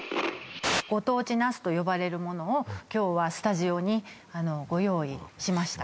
ご当地ナスと呼ばれるものを今日はスタジオにあのご用意しましたしました